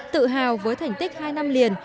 tự hào với thành tích hai năm liền